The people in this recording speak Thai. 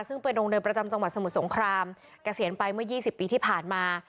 ซึ่งเป็นโรงเรียนประจำจังหวัดสมุทรสงครามเกษียณไปเมื่อ๒๐ปีที่ผ่านมา